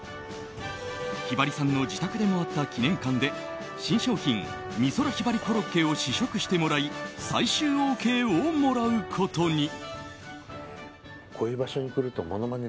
ひばりさんの自宅でもあった記念館で新商品、美空ひばりコロッケを試食してもらい最終ＯＫをもらうことに。